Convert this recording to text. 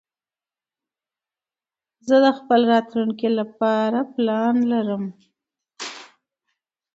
زه د خپل راتلونکي لپاره پلان لرم.